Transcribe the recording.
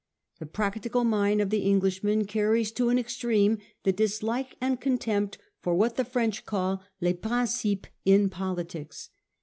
The practical mind of the Englishman carries to an extreme the dislike and contempt for what the French call les principes in politics.